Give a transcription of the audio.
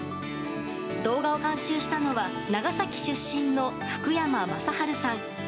動画を監修したのは長崎出身の福山雅治さん。